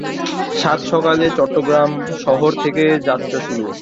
সাত সকালে চট্টগ্রাম শহর থেকে যাত্রা শুরু।